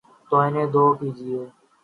تو انہیں دور کیجیے۔